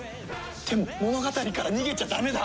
でも物語から逃げちゃダメだ！